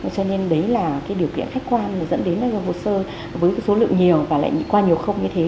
cho nên đấy là điều kiện khách quan dẫn đến hồ sơ với số lượng nhiều và lại qua nhiều khâu như thế